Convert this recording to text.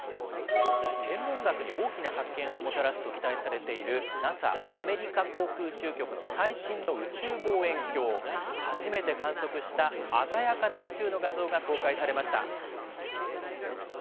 天文学に大きな発見をもたらすと期待されている、ＮＡＳＡ・アメリカ航空宇宙局の最新の宇宙望遠鏡、初めて観測した鮮やかな宇宙の画像が公開されました。